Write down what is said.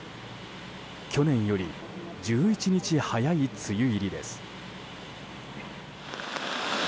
去年より１１日早い梅雨入りです。